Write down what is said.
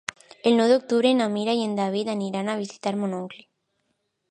El nou d'octubre na Mira i en David aniran a visitar mon oncle.